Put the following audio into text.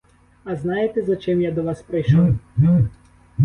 А знаєте, за чим я до вас прийшов?